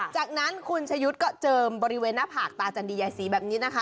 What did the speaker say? จากนั้นคุณชะยุทธ์ก็เจิมบริเวณหน้าผากตาจันดียายศรีแบบนี้นะคะ